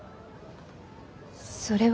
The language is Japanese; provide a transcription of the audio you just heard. それは。